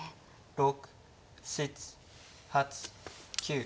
６７８９。